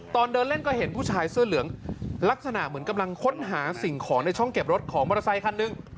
ตอนเดินเล่นก็เห็นผู้ชายเสื้อเหลืองลักษณะเหมือนกำลังค้นหาสิ่งของในช่องเก็บรถของมอเตอร์ไซคันหนึ่ง